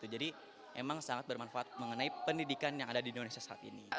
jadi memang sangat bermanfaat mengenai pendidikan yang ada di indonesia saat ini